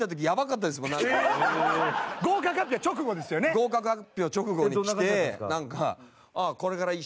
合格発表直後に来てなんか。